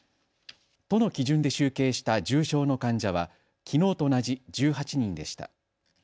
都の基準で集計した重症の患者はきのうと同じ１８人でした。